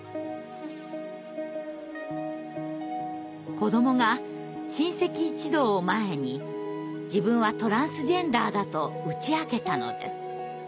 子どもが親戚一同を前に自分はトランスジェンダーだと打ち明けたのです。